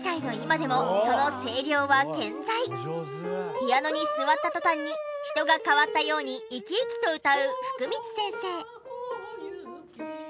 ピアノに座った途端に人が変わったように生き生きと歌う福光先生。